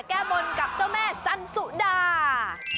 แก้บนกับเจ้าแม่จันสุดา